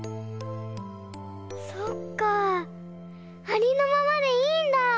ありのままでいいんだ！